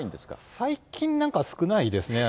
最近、なんか少ないですね。